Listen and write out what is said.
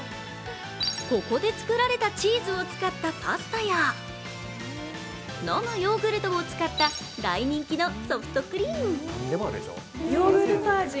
ここで作られたチーズを使ったパスタや、飲むヨーグルトを使った大人気のソフトクリーム。